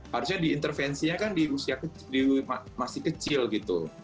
harusnya diintervensinya kan di usia masih kecil gitu